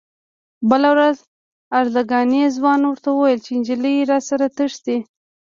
بله ورځ ارزګاني ځوان ورته وویل چې نجلۍ راسره تښتي.